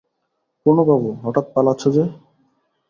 পূর্ণবাবু, হঠাৎ পালাচ্ছ যে?